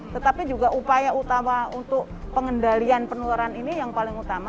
tetapi juga upaya utama untuk pengendalian penularan ini yang paling utama